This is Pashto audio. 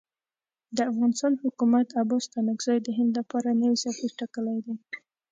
د افغانستان حکومت عباس ستانکزی د هند لپاره نوی سفیر ټاکلی دی.